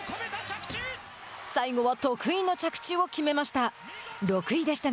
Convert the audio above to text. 最後は得意の着地を決めました。